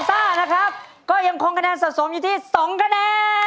เสื้อคนละท่ำเป็นฝ่ายชนะ